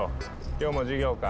今日も授業か？